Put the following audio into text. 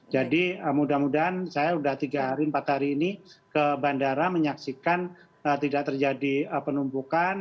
jadi mudah mudahan saya sudah tiga hari empat hari ini ke bandara menyaksikan tidak terjadi penumpukan